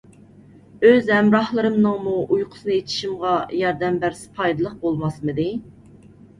ئۆز ھەمراھلىرىمنىڭمۇ ئۇيقۇسىنى ئېچىشىمغا ياردەم بەرسە پايدىلىق بولماسمىدى؟